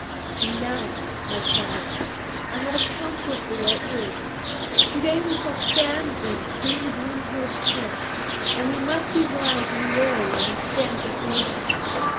And now, my comrades, I have a counsel for your ears. To day we shall stand in Queen Brunhild's court, and we must be wise and wary when we stand before her.